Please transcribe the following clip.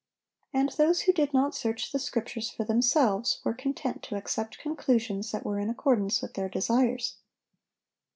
And those who did not search the Scriptures for themselves were content to accept conclusions that were in accordance with their desires.